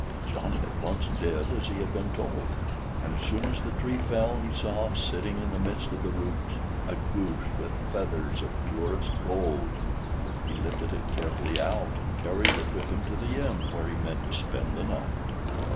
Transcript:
Johnny at once did as he had been told, and as soon as the tree fell he saw, sitting in the midst of the roots, a goose with feathers of purest gold. He lifted it carefully out, and carried it with him to the inn, where he meant to spend the night.